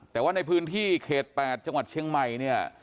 แต่ว่าในพื้นที่เขต๘จังหวัดเชียงใหม่เนี่ย